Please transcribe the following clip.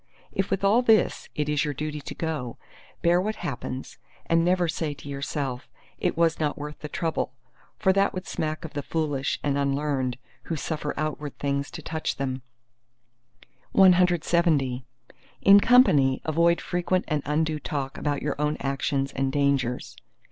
If with all this, it is your duty to go, bear what happens, and never say to yourself, It was not worth the trouble! For that would smack of the foolish and unlearned who suffer outward things to touch them. CLXXI In company avoid frequent and undue talk about your own actions and dangers.